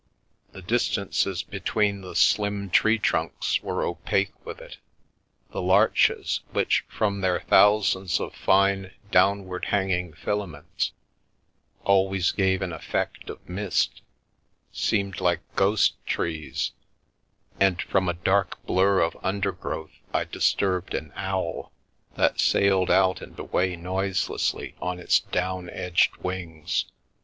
The distances between the slim tree trunks were opaque with it, the larches, which from their thousands of fine downward hanging filaments always give an effect of mist, seemed like ghost trees, and from a dark blur of undergrowth I disturbed an owl, that sailed out and away noiselessly on its down edged wings.